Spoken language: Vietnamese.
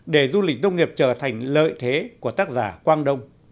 để du lịch nông nghiệp trở thành lợi thế của tác giả quang đông